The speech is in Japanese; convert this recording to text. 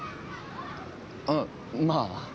あっまあ。